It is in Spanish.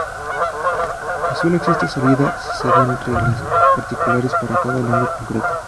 Y sólo existe salida si se dan "reglas" particulares para cada lengua concreta.